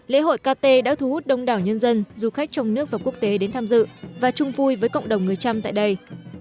lễ hội kt đã thu hút đông đảo nhân dân du khách trong nước và quốc tế đến tham dự và chung vui với cộng đồng người trăm tại đây